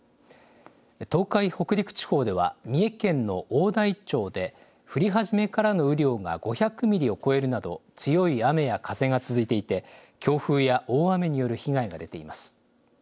東海、北陸地方では三重県の大台町で降り始めからの雨量が５００ミリを超えるなど強い雨や風が続いていて強風や大雨による被害が出ています。